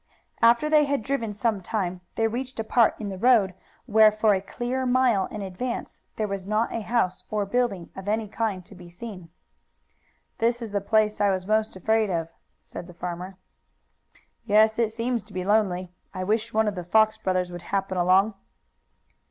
After they had driven some time they reached a part of the road where for a clear mile in advance there was not a house or building of any kind to be seen. "This is the place I was most afraid of," said the farmer. "Yes, it seems to be lonely. I wish one of the Fox brothers would happen along."